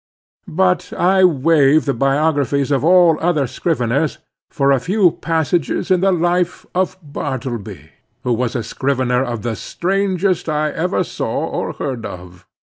But I waive the biographies of all other scriveners for a few passages in the life of Bartleby, who was a scrivener of the strangest I ever saw or heard of.